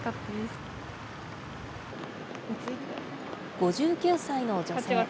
５９歳の女性。